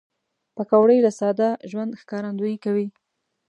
پکورې له ساده ژوند ښکارندويي کوي